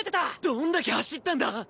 どんだけ走ったんだ！